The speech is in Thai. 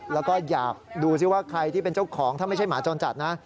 แล้วก็อยากดูสิว่าใครที่เป็นเจ้าของถ้าไม่ใช่หมาจรจัดนะ